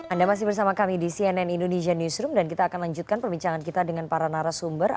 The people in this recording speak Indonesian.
anda masih bersama kami di cnn indonesia newsroom dan kita akan lanjutkan perbincangan kita dengan para narasumber